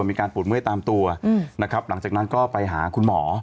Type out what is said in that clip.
มีการปวดเมื่อยตามตัวนะครับหลังจากนั้นก็ไปหาคุณหมอ